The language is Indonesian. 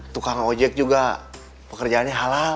tukang ojek juga pekerjaannya halal